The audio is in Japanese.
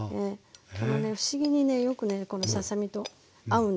不思議にねよくねこのささ身と合うんです。